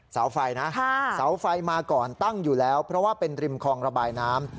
เสาไฟนะเสาไฟมาก่อนตั้งอยู่แล้วเพราะว่าเป็นริมคลองระบายน้ำ